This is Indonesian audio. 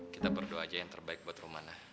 kita berdoa aja yang terbaik buat romana